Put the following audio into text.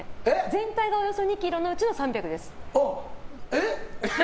全体がおよそ２ｋｇのうちの３００です。え？